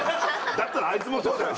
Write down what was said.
だったらあいつもそうだわ！